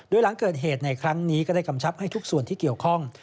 โดยหลังเกิดเหตุในครั้งนี้ก็ได้กำชับให้ทุกส่วนที่เกี่ยวข้อง